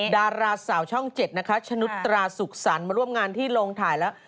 ดาราสาวช่อง๗นะคะชนุตราสุขสรรค์มาร่วมงานที่โรงถ่ายแล้ว